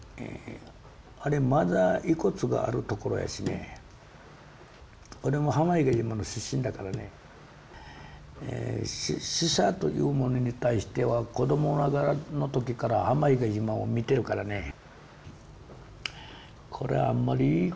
あれまだ遺骨がある所やしね俺も浜比嘉島の出身だからね死者というものに対しては子供ながらの時から浜比嘉島を見てるからねこれはあんまりいいことないなぁと。